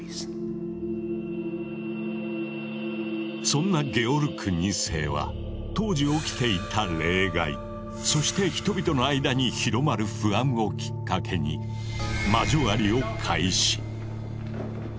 そんなゲオルク２世は当時起きていた冷害そして人々の間に広まる不安をきっかけに魔女狩りを開始。